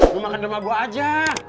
lo makan di rumah gue aja